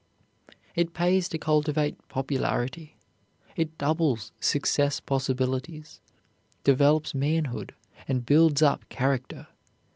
It pays to cultivate popularity. It doubles success possibilities, develops manhood, and builds up character.